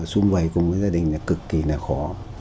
xung quầy cùng gia đình là cực kỳ là khó